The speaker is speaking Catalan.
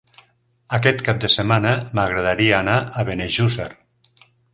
Aquest cap de setmana m'agradaria anar a Benejússer.